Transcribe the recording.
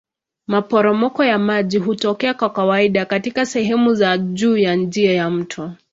Maporomoko ya maji hutokea kwa kawaida katika sehemu za juu ya njia ya mto.